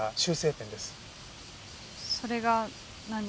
それが何か？